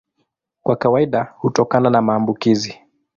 Kwa kawaida hutokana na maambukizi.